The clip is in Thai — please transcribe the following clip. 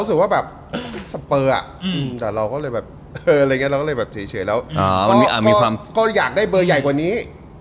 คุณไม่ต้องบอกว่าผมถ่าสเปอร์ไว้ขนาดนี้